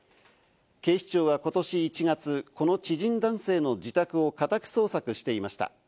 警視庁は今年１月、この知人男性の自宅を家宅捜索していました。